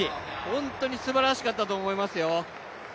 本当にすばらしかったと思いますよ。